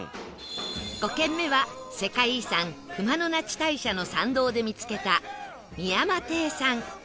５軒目は世界遺産熊野那智大社の参道で見つけた美山亭さん